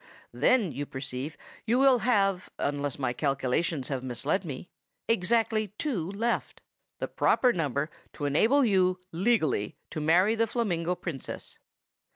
Then, you perceive, you will have, unless my calculations have misled me, exactly two left,—the proper number to enable you legally to marry the Flamingo Princess.